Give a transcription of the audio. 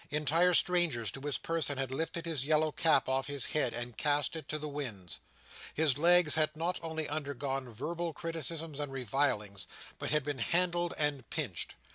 Entire strangers to his person had lifted his yellow cap off his head, and cast it to the winds. His legs had not only undergone verbal criticisms and revilings, but had been handled and pinched.